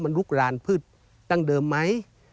มันลุกรานพืชดั้งเดิมไหม